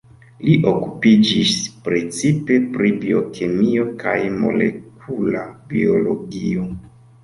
Li okupiĝis precipe pri biokemio kaj molekula biologio.